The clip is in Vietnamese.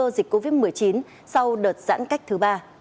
nguy cơ dịch covid một mươi chín sau đợt giãn cách thứ ba